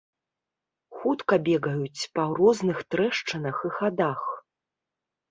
Хутка бегаюць па розных трэшчынах і хадах.